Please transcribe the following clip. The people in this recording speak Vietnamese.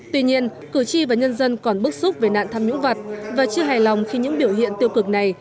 tuy nhiên cử tri và nhân dân còn bức xúc về nạn tham nhũng vật và chưa hài lòng khi những biểu hiện tiêu cực này